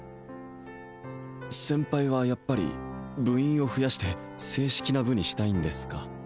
先輩はやっぱり部員を増やして正式な部にしたいんですか？